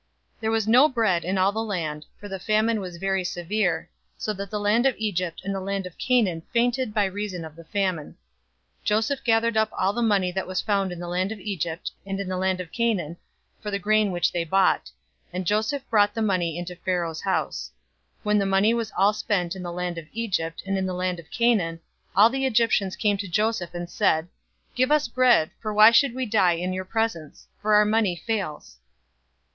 047:013 There was no bread in all the land; for the famine was very severe, so that the land of Egypt and the land of Canaan fainted by reason of the famine. 047:014 Joseph gathered up all the money that was found in the land of Egypt, and in the land of Canaan, for the grain which they bought: and Joseph brought the money into Pharaoh's house. 047:015 When the money was all spent in the land of Egypt, and in the land of Canaan, all the Egyptians came to Joseph, and said, "Give us bread, for why should we die in your presence? For our money fails."